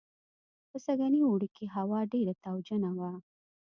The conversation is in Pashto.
په سږني اوړي کې هوا ډېره تاوجنه وه